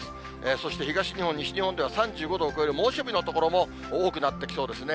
そして東日本、西日本では３５度を超える猛暑日の所も多くなってきそうですね。